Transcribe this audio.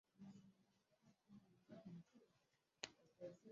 naye amedadavua kuhusu buha na mahusiano ya kikanda